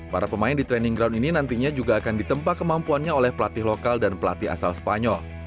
para pemain di training ground ini nantinya juga akan ditempa kemampuannya oleh pelatih lokal dan pelatih asal spanyol